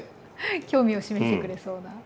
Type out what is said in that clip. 興味を示してくれそうな。